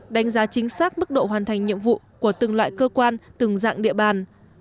đánh giá chính xác mức độ hoàn thành nhiệm vụ của từng loại cơ quan từng dạng địa bàn